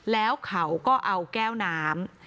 แล้วเขาก็เอาแก้วน้ำ